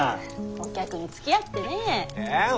お客につきあってね。